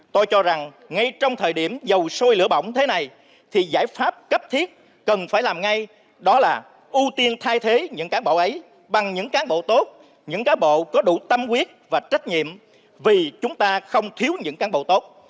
tôi cho rằng ngay trong thời điểm dầu sôi lửa bỏng thế này thì giải pháp cấp thiết cần phải làm ngay đó là ưu tiên thay thế những cán bộ ấy bằng những cán bộ tốt những cán bộ có đủ tâm quyết và trách nhiệm vì chúng ta không thiếu những cán bộ tốt